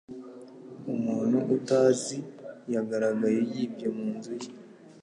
Umuntu utazi yagaragaye yibye mu nzu ye.